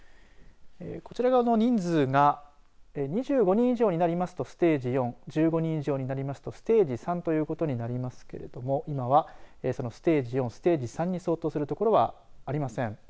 こちら側の人数が２５人以上になりますとステージ４１５人以上になりますとステージ３ということになりますけれど今は、そのステージ４ステージ３に相当する所はありません。